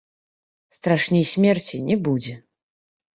Страшней смерці не будзе.